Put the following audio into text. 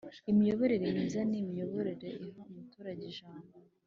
Imiyoborere myiza ni imiyoborere iha umuturage ijambo